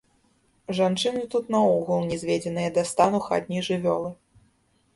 Жанчыны тут наогул нізведзеныя да стану хатняй жывёлы.